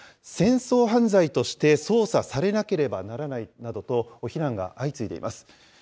戦争犯罪として捜査されなければならないなどと、非難が相次いでいます。